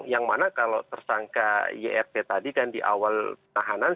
yang mana kalau tersangka yrt tadi kan di awal tahanan